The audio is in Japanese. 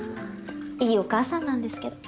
いいお母さんなんですけど。